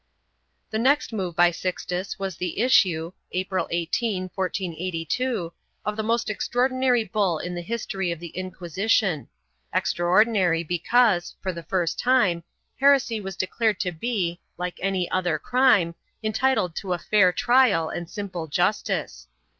1 The next move by Sixtus was the issue, April 18, 1482, of the most extraordinary bull in the history of the Inquisition — extraordinary because, for the first time, heresy was declared to be, like any other crime, entitled to a fair trial and simple justice.